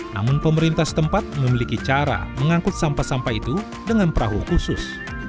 namun pemerintah setempat memiliki cara mengangkut sampah sampah itu dengan perahu khusus